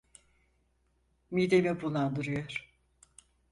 Midemi bulandırıyor.